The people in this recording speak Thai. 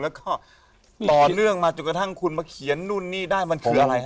แล้วก็ต่อเนื่องมาจนกระทั่งคุณมาเขียนนู่นนี่ได้มันคืออะไรฮะ